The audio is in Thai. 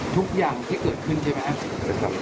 ทุกอย่างที่เกิดขึ้นใช่ไหม